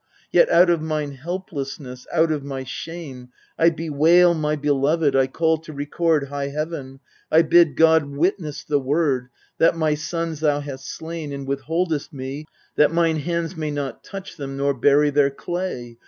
Yet out of mine helplessness, out of my shame, I bewail my beloved, I call to record High Heaven, I bid God witness the word, That my sons thou hast slain, and withholdest me Th;.c mine hands may not touch thorn, nor bury their clay